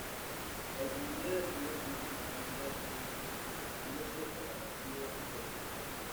La economía depende fundamentalmente del turismo, destacándose el atractivo de sus bosques.